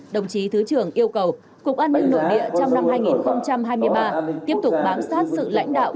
đồng chí thứ trưởng yêu cầu cục an ninh nội địa trong năm hai nghìn hai mươi ba tiếp tục bám sát sự lãnh đạo